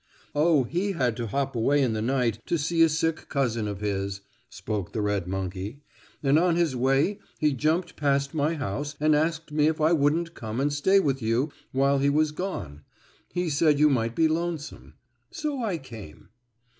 "Oh, he had to hop away in the night to see a sick cousin of his," spoke the red monkey, "and on his way he jumped past my house and asked me if I wouldn't come and stay with you while he was gone. He said you might be lonesome. So I came."